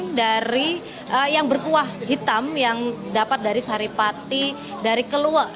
jadi ini adalah daging yang berkuah hitam yang dapat dari saripati dari keluar